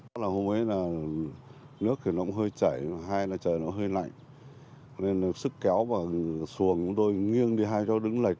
hôm ấy là nước nó hơi chảy hay là trời nó hơi lạnh nên sức kéo và xuồng đôi nghiêng đi hai chó đứng lệch